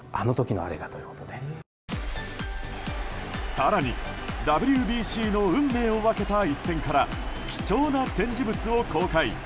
更に、ＷＢＣの運命を分けた一戦から、貴重な展示物を公開。